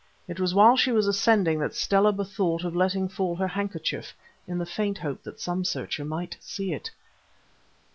It was while she was ascending that Stella bethought of letting fall her handkerchief in the faint hope that some searcher might see it.